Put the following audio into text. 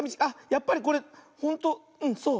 やっぱりこれほんとうんそう。